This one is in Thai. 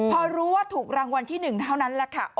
พอรู้ว่าถูกรางวัลที่๑เท่านั้น